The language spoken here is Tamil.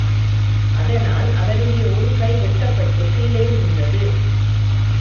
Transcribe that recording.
அத்னால், அவருடைய ஒரு கை வெட்டப்பட்டுக் கீழே விழுந்தது.